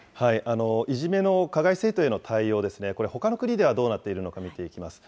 いじめの加害生徒への対応ですね、これ、ほかの国ではどうなっているのか見ていきます。